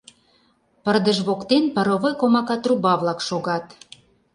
Пырдыж воктен паровой комака труба-влак шогат.